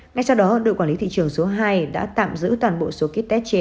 ngay sau đó đội quản lý thị trường số hai đã tạm giữ toàn bộ số ký test trên